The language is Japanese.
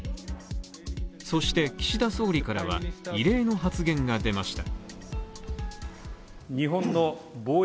そして岸田総理からは異例の発言が出ました。